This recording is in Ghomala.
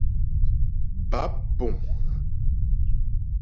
Báp puŋ.